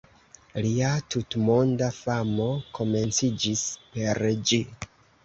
Lia tutmonda famo komenciĝis per ĝi.